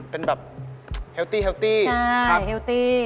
เป็นแบบแฮลตี้ครับใช่แฮลตี้